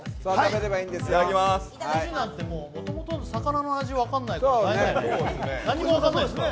コジなんて、もともと魚の味分からないから、大変だよね。